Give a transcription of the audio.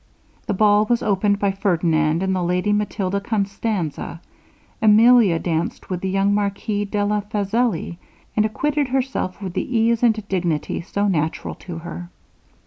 The ball was opened by Ferdinand and the lady Matilda Constanza. Emilia danced with the young Marquis della Fazelli, and acquitted herself with the ease and dignity so natural to her.